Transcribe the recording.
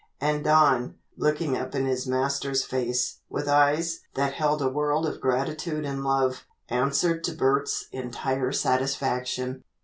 And Don, looking up in his master's face, with eyes that held a world of gratitude and love, answered to Bert's entire satisfaction.